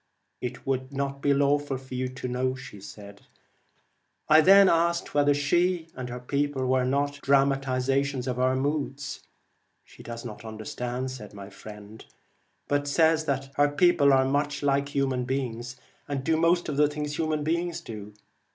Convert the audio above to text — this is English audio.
' It would not be lawful for you to know.' I then asked whether she and her people were 94 not 'dramatizations of our moods '? 'She Regina, does not understand,' said my friend, 'but pigmeorum, says that her people are much like human Vem * beings, and do most of the things human beings do.'